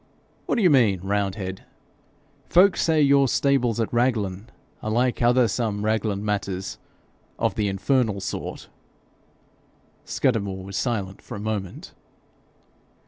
'What do you mean, roundhead?' 'Folk say your stables at Raglan are like other some Raglan matters of the infernal sort.' Scudamore was silent for a moment.